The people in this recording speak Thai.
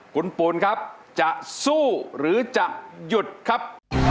คุณปูนครับจะสู้หรือจะหยุดครับ